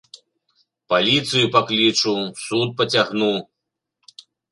Паліцыю паклічу, у суд пацягну.